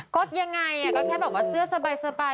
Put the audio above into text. กดยังไงอะก็แค่บอกว่าเสื้อสบาย